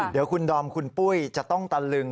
เดี๋ยวคุณดอมคุณปุ้ยจะต้องตะลึง